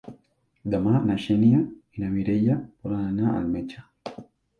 Demà na Xènia i na Mireia volen anar al metge.